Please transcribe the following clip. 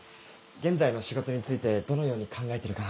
現在の仕事についてどのように考えているかなど。